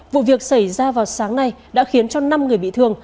vụ việc xảy ra vào sáng nay đã khiến cho năm người bị thương